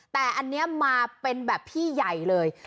แต่อันนี้มาเป็นแบบพี่ใหญ่เลย